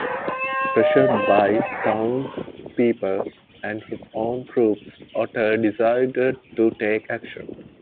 Pressured by the townspeople and his own troops, Otter decided to take action.